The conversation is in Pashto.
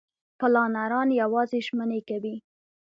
پلانران یوازې ژمنې کوي.